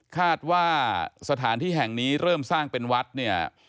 คาดว่าสถานที่แห่งนี้เริ่มสร้างเป็นวัดเนี่ย